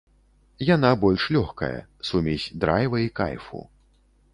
Яна больш лёгкая, сумесь драйва і кайфу.